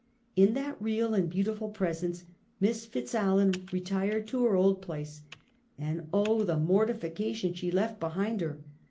In that real and beautiful pres ence Miss Fitzallen I'etired to her old place, and oh, the mortification she left behind her!